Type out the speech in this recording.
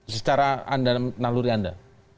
secara menaluri anda